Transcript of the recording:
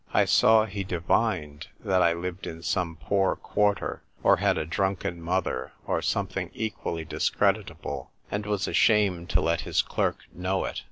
I saw he divined that I lived in some poor quarter, or had a drunken mother, or something equally discreditable, and was ashamed to let his clerk know it.